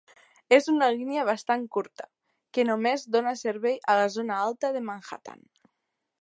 És una línia bastant curta, que només dona servei a la zona alta de Manhattan.